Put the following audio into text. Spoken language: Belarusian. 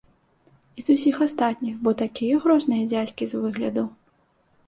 І з усіх астатніх, бо такія грозныя дзядзькі з выгляду.